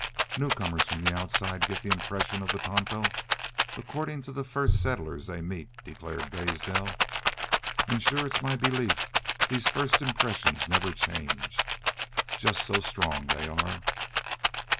"Newcomers from outside get impressions of the Tonto accordin' to the first settlers they meet," declared Blaisdell. "An' shore it's my belief these first impressions never change, just so strong they are!